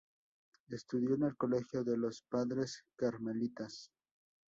Estudió en el Colegio de los Padres Carmelitas.